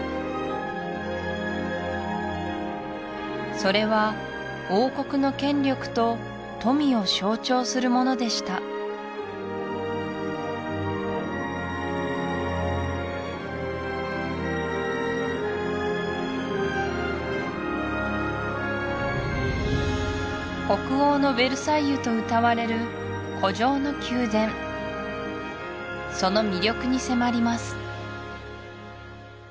それは王国の権力と富を象徴するものでした北欧のヴェルサイユとうたわれる湖上の宮殿その魅力に迫ります